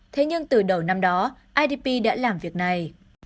thế nhưng từ đầu năm đó idp đã làm việc này